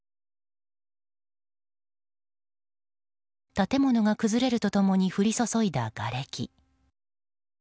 建物が崩れると共に降り注いだがれき。